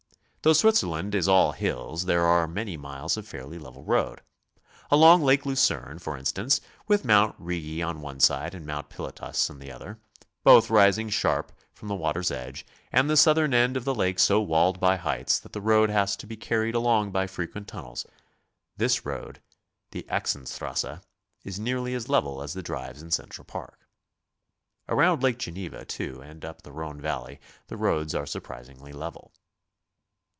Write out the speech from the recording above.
Though Switzerland is all hills, there are many miles of fairly level road. Along Lake Lucerne, for instance, with Mt. Rigi on one side and Mt. Pilatus on the other, both rising sharp from the water's edge, and the southern end of the lake so walled by heights that the road BICYCLE TOURING. 1 1 1 has to be carried along by frequent tunnels, this road, the Axenstrasse, is nearly as level as the drives in Central Park. Around Lake Geneva, too, and up the Rhone valley the roads are surprisingly level.